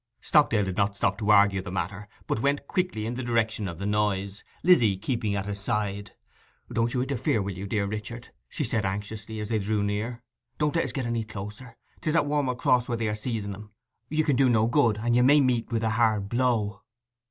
Stockdale did not stop to argue the matter, but went quickly in the direction of the noise, Lizzy keeping at his side. 'Don't you interfere, will you, dear Richard?' she said anxiously, as they drew near. 'Don't let us go any closer: 'tis at Warm'ell Cross where they are seizing 'em. You can do no good, and you may meet with a hard blow!